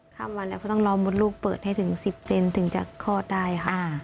เขาต้องรอมดลูกเปิดให้ถึง๑๐เซนถึงจะคลอดได้ค่ะ